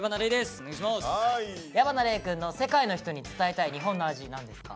矢花黎くんの「世界の人に伝えたい日本の味」何ですか？